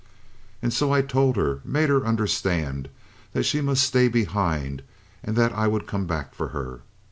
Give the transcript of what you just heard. "And so I told her made her understand that she must stay behind, and that I would come back for her.